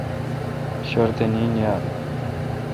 شوردے نین نہ یال۔